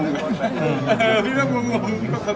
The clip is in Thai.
รู้ทุกอย่างที่เราทำและก็รู้ได้ว่าใช่หรือไม่